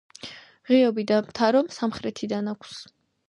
ღიობი და თარო სამხრეთიდან აქვს.